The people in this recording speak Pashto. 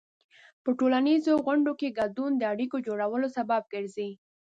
په ټولنیزو غونډو کې ګډون د اړیکو جوړولو سبب ګرځي.